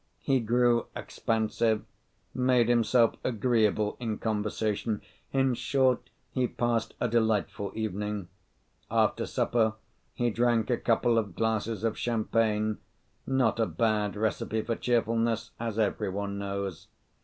He grew expansive, made himself agreeable in conversation, in short, he passed a delightful evening. After supper he drank a couple of glasses of champagne not a bad recipe for cheerfulness, as every one knows.